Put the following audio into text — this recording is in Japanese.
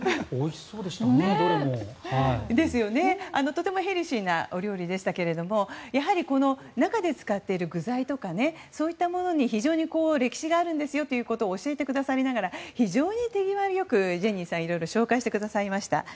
とてもヘルシーなお料理でしたけれどもやはり中で使っている具材とかにそういったものに非常に歴史があるんですよと教えてくださりながら非常に手際よくジェニーさんがいろいろ紹介してくださいました。